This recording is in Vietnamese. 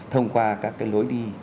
thông qua các cái lối đi